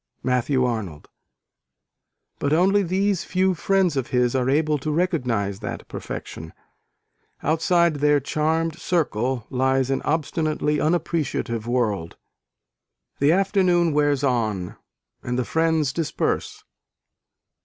(Matthew Arnold). But only these few friends of his are able to recognise that perfection. Outside their charmed circle, lies an obstinately unappreciative world. The afternoon wears on, and the friends disperse.